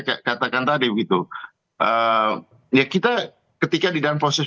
saya katakan tadi begitu ya kita ketika di dalam proses